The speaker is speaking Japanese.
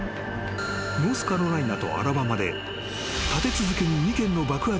［ノースカロライナとアラバマで立て続けに］